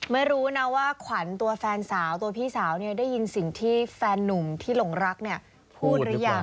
ไม่รู้นะว่าขวัญตัวแฟนสาวตัวพี่สาวได้ยินสิ่งที่แฟนนุ่มที่หลงรักเนี่ยพูดหรือยัง